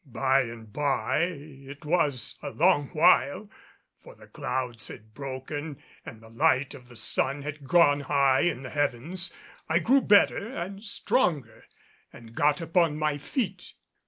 By and by it was a long while for the clouds had broken and the light of the sun had gone high in the heavens I grew better and stronger and got upon my feet.